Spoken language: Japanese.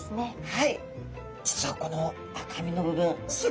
はい。